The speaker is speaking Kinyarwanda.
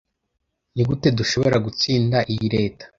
Nigute dushobora gutsinda iyi leta